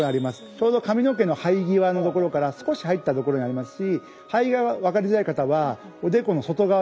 ちょうど髪の毛の生え際の所から少し入った所にありますし生え際が分かりづらい方はおでこの外側ですね。